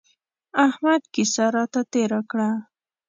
احمد کيسه راته تېره کړه.